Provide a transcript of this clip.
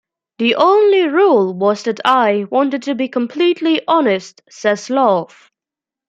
"The only rule was that I wanted to be completely honest," says Love.